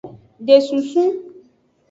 De susu.